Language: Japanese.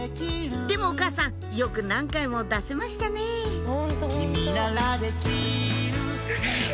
でもお母さんよく何回も出せましたねハハハ